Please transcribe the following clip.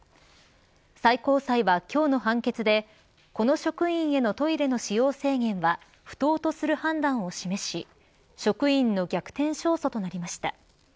最高裁は今日の判決でこの職員へのトイレの使用制限は不当とする判断を示し職員の逆転勝訴となりました。